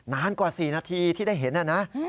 นานกว่า๔นาทีที่ได้เห็นนะ